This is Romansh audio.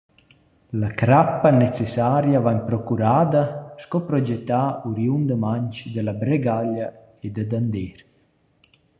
La crappa necessaria vain procurada, sco progettà uriundamaing, da la Bregaglia e dad Andeer.